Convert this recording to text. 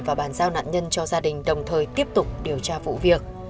và bàn giao nạn nhân cho gia đình đồng thời tiếp tục điều tra vụ việc